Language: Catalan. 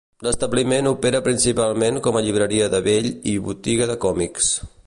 L'establiment opera principalment com a llibreria de vell i botiga de còmics.